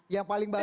yang paling baru